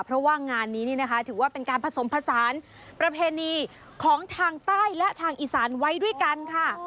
เพราะว่างานนี้นี่นะคะถือว่าเป็นการผสมผสานประเพณีของทางใต้และทางอีสานไว้ด้วยกันค่ะ